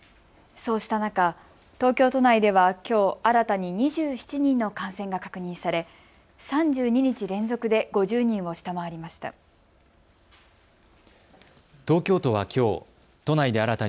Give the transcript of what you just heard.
そうした中、東京都内ではきょう新たに２７人の感染が確認され３２日連続で５０人を下回りました。